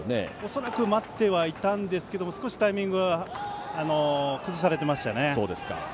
恐らく待ってはいましたが少しタイミングを崩されていましたね。